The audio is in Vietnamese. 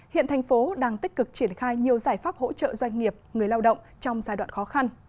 hiện thành phố đang tích cực triển khai nhiều giải pháp hỗ trợ doanh nghiệp người lao động trong giai đoạn khó khăn